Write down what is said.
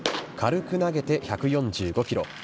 軽く投げて１４５キロ。